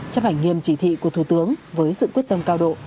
chấp hành nghiêm chỉ thị của thủ tướng với sự quyết tâm cao độ